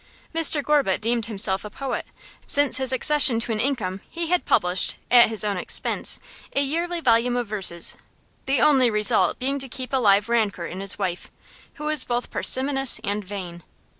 Mr Gorbutt deemed himself a poet; since his accession to an income he had published, at his own expense, a yearly volume of verses; the only result being to keep alive rancour in his wife, who was both parsimonious and vain.